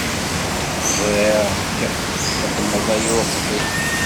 Ẓriɣ-k txeddmeḍ aya uqbel.